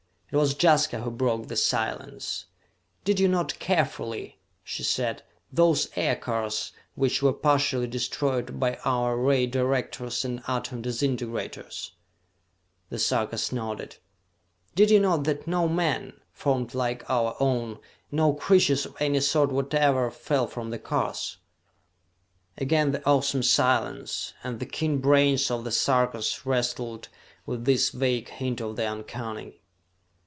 It was Jaska who broke the silence. "Did you note carefully," she said, "those aircars which were partially destroyed by our ray directors and atom disintegrators?" The Sarkas nodded. "Did you note that no men, formed like our own, no creatures of any sort whatever, fell from the cars?" Again the awesome silence, and the keen brains of the Sarkas wrestled with this vague hint of the uncanny.